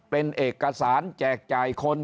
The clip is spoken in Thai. เป็นเอกสารแจกจ่ายคน